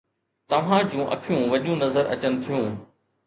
توهان جون اکيون وڏيون نظر اچن ٿيون.